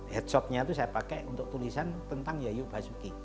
headshotnya itu saya pakai untuk tulisan tentang yayu basuki